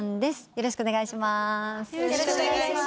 よろしくお願いします。